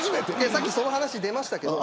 さっきも話出ましたけど